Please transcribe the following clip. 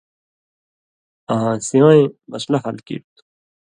آں سِوَیں مسلہ حل کیریۡ تُھو۔